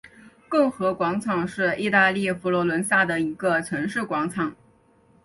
共和广场是意大利佛罗伦萨的一个城市广场。